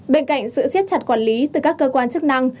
bên cạnh sự siết chặt quản lý từ các cơ quan chức năng